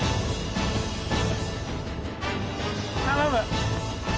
頼む。